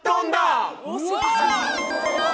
すごい！